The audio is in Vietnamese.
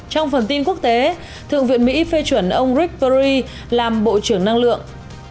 trong phần tin quốc tế thượng viện mỹ phê chuẩn ông rick perry làm bộ trưởng năng lượng